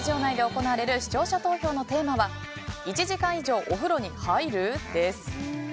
せきららスタジオ内で行われる視聴者投票のテーマは１時間以上お風呂に入る？です。